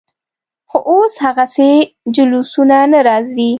خو اوس هغسې جلوسونه نه راځي.